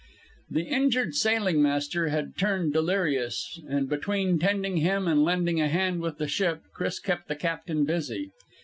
The injured sailing master had turned delirious and between tending him and lending a hand with the ship, Chris kept the captain busy.